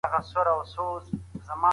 اسلام د سولي او ورورولۍ دین دی.